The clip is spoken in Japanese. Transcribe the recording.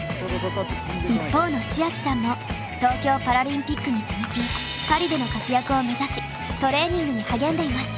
一方の千明さんも東京パラリンピックに続きパリでの活躍を目指しトレーニングに励んでいます。